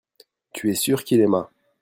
tu es sûr qu'il aima.